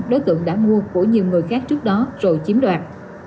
đối tượng đã mua của nhiều người khác trước đó rồi chiếm đoạt